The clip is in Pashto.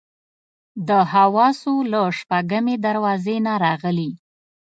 د حواسو له شپږمې دروازې نه راغلي.